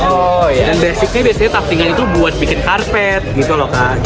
dan basicnya biasanya taftingan itu buat bikin karpet gitu loh kak